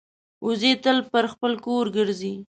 وزې تل پر خپل کور ګرځي